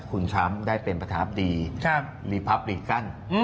คุณทรัมป์ได้เป็นประธาบดีมีพับลีกั้น